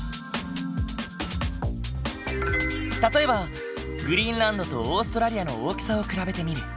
例えばグリーンランドとオーストラリアの大きさを比べてみる。